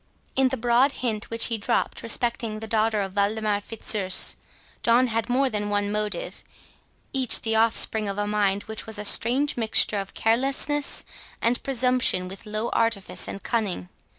In the broad hint which he dropped respecting the daughter of Waldemar Fitzurse, John had more than one motive, each the offspring of a mind, which was a strange mixture of carelessness and presumption with low artifice and cunning.